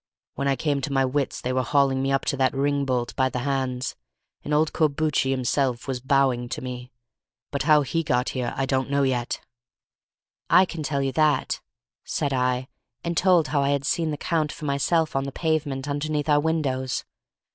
When I came to my wits they were hauling me up to that ring bolt by the hands, and old Corbucci himself was bowing to me, but how he got here I don't know yet." "I can tell you that," said I, and told how I had seen the Count for myself on the pavement underneath our windows.